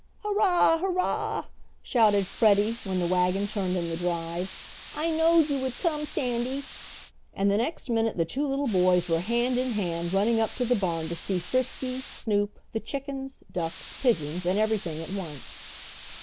"Hurrah! hurrah!" shouted Freddie, when the wagon turned in the drive. "I knowed you would come, Sandy!" and the next minute the two little boys were hand in hand running up to the barn to see Frisky, Snoop, the chickens, ducks, pigeons, and everything at once.